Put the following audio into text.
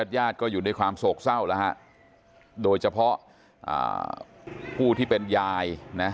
ญาติก็อยู่ในความโศกเศร้าโดยเฉพาะผู้ที่เป็นยาย